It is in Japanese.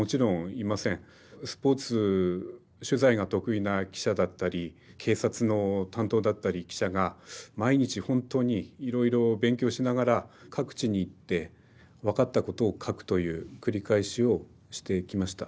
スポーツ取材が得意な記者だったり警察の担当だったり記者が毎日ほんとにいろいろ勉強しながら各地に行って分かったことを書くという繰り返しをしていきました。